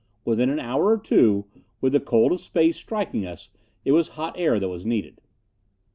Within an hour or two, with the cold of space striking us, it was hot air that was needed.